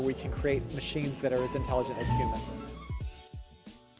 di mana kita bisa membuat mesin yang seberat kecerdasan manusia